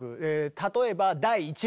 例えば「第１番」